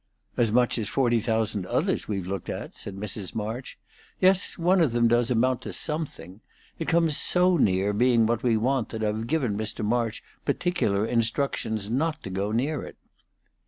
"As much as forty thousand others we've looked at," said Mrs. March. "Yes, one of them does amount to something. It comes so near being what we want that I've given Mr. March particular instructions not to go near it."